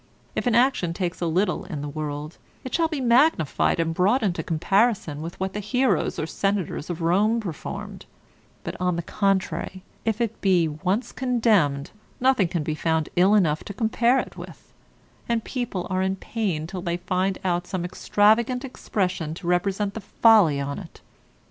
If an action take a little in the world, it shall be magnified and brought into comparison with what the heroes or senators of Rome performed; but, on the contrary, if it be once condemned, nothing can be found ill enough to compare it with; and people are in pain till they find out some extravagant expression to represent the folly on't.